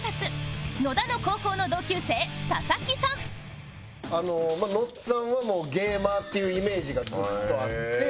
ＶＳ 野田の高校の同級生佐々木さんのっつぁんはゲーマーっていうイメージがずっとあって。